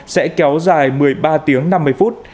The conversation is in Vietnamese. sẽ kéo dài một mươi ba tiếng năm mươi phút